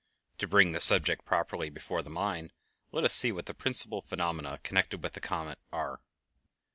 To bring the subject properly before the mind, let us see what the principal phenomena connected with a comet are.